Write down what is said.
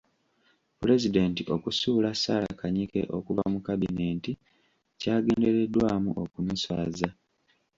Pulezidenti okusuula Sarah Kanyike okuva mu kabineeti kyagendereddwamu okumuswaza.